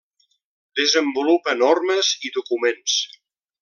Desenvolupa normes i documents.